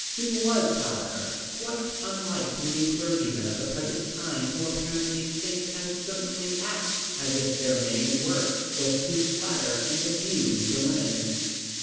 He was, however, quite unlike many clergymen of the present time who apparently think and certainly act as if their main work was to flatter and amuse the women.